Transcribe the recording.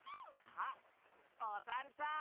あっおさるさん！